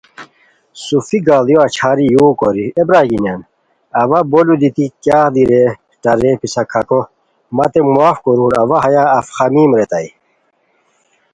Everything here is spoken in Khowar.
صوفی گاڑیو اچھاری یُو کوری "ایے برارگینیان اوا بولو دیتی کیاغ دی ریئے ٹارےپیسہ کھاکو. متین معاف کورور اوا ہیا اف خامیم" ریتائے